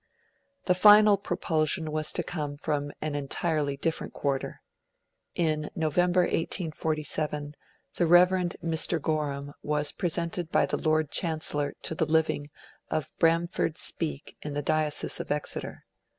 The final propulsion was to come from an entirely different quarter. In November, 1847, the Reverend Mr. Gorham was presented by the Lord Chancellor to the living of Bramford Speke in the diocese of Exeter.